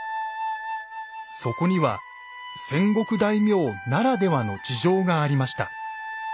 そこには戦国大名ならではの事情がありました。